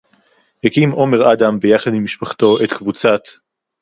הקים עומר אדם ביחד עם משפחתו את קבוצת